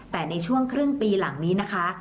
แต่ในช่วงครึ่งปีหลังนี้นะคะ